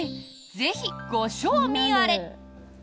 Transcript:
ぜひ、ご賞味あれ！